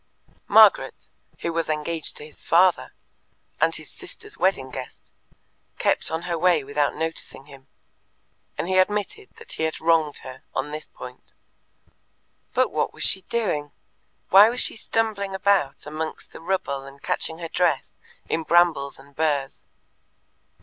Margaret, who was engaged to his father, and his sister's wedding guest, kept on her way without noticing him, and he admitted that he had wronged her on this point. But what was she doing? Why was she stumbling about amongst the rubble and catching her dress in brambles and burrs?